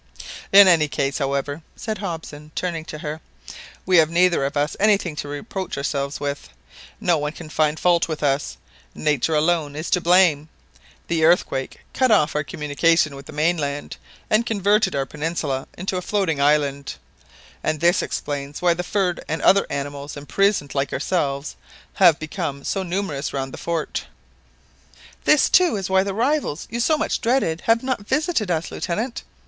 "In any case, however," said Hobson, turning to her, "we have neither of us anything to reproach ourselves with. No one can find fault with us. Nature alone is to blame. The earthquake cut off our communication with the mainland, and converted our peninsula into a floating island, and this explains why the furred and other animals imprisoned like ourselves, have become so numerous round the fort!" "This, too, is why the rivals you so much dreaded have not visited us, Lieutenant!"